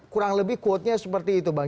kurang lebih quotenya seperti itu bang